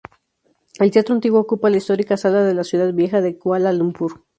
El teatro antiguo ocupa la histórica Sala de la Ciudad Vieja de Kuala Lumpur.